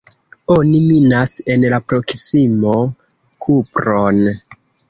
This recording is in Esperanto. Oni minas en la proksimo kupron.